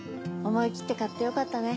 思い切って買ってよかったね。